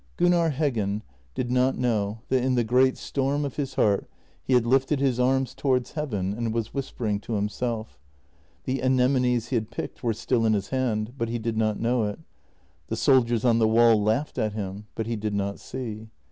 Gunnar Heggen did not know that in the great storm of his heart he had lifted his arms towards heaven and was whispering to himself. The anemones he had picked were still in his hand, but he did not know it. The soldiers on the wall laughed at him, but he did not see.